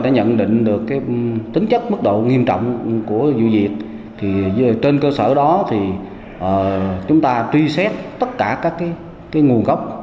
nhận được tính chất mức độ nghiêm trọng của vụ diệt trên cơ sở đó thì chúng ta truy xét tất cả các nguồn gốc